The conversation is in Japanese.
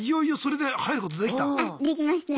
できました。